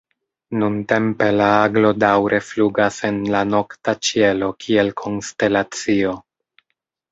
Nuntempe la Aglo daŭre flugas en la nokta ĉielo kiel konstelacio.